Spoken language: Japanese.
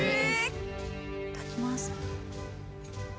いただきます。